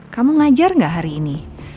kamu ngajar gak hari ini